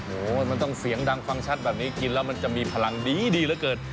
โอ้โหมันต้องเสียงดังฟังชัดแบบนี้กินแล้วมันจะมีพลังดีเหลือเกิน